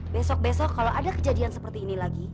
besok besok kalau ada kejadian seperti ini lagi